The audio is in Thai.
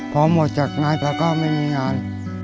พอหมดจากงานไปก็ไม่มีงาน